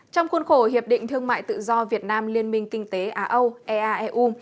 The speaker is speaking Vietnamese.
trong khuôn khổ hiệp định thương mại tự do việt nam liên minh kinh tế á âu eaeu